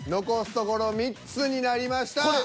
残すところ３つになりました。